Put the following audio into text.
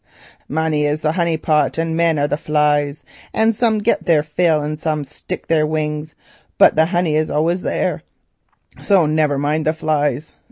money is the honey pot, and men are the flies; and some get their fill and some stick their wings, but the honey is always there, so never mind the flies.